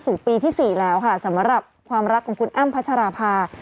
ซึ่งกับความรักของคุณอ้ำภัชราภา